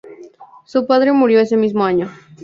Su padre murió ese mismo año.